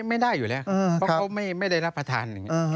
ไม่ได้อยู่แล้วเพราะเขาไม่ได้รับประทาน